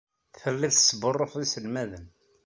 Tellid tesbuṛṛufed iselmaden.